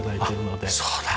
そうだ。